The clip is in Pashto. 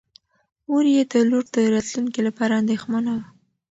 مور یې د لور د راتلونکي لپاره اندېښمنه وه.